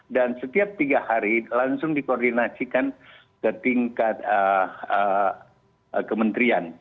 dan setiap tiga hari langsung dikoordinasikan ke tingkat kementerian